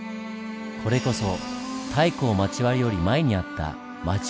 これこそ太閤町割より前にあった町割の姿なんです。